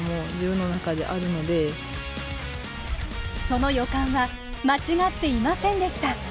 その予感は間違っていませんでした。